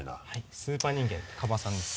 「スーパー人間高羽」さんです。